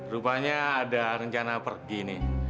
rupanya ada rencana pergi nih